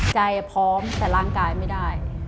ใจพร้อมแต่ร่างกายไม่ได้